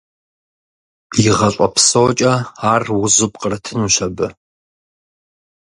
И гъащӀэ псокӀэ ар узу пкърытынущ абы…